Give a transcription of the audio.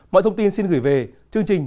mọi thông tin xin gửi về chương trình